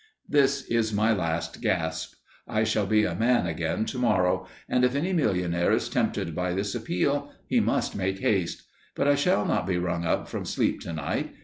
This is my last gasp. I shall be a man again tomorrow, and if any millionaire is tempted by this appeal, he must make haste. But I shall not be rung up from sleep tonight.